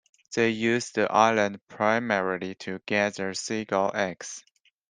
They used the island primarily to gather seagull eggs.